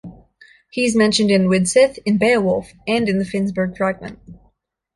He is mentioned in "Widsith", in "Beowulf", and in the Finnsburg Fragment.